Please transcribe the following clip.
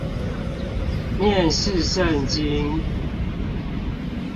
面試聖經